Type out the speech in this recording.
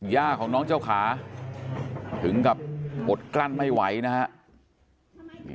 ย่าของน้องเจ้าขาถึงกับอดกลั้นไม่ไหวนะฮะ